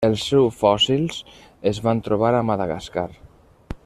Els seus fòssils es van trobar a Madagascar.